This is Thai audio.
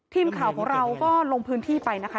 ทีมข่าวของเราก็ลงพื้นที่ไปนะคะ